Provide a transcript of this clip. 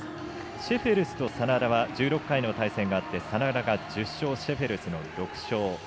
シェフェルスと眞田は１６回の対戦があって眞田が１０勝シェフェルスの６勝。